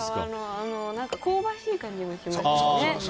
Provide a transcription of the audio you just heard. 香ばしい感じもしますしね。